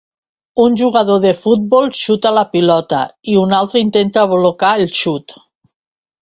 Un jugador de futbol xuta la pilota i un altre intenta blocar el xut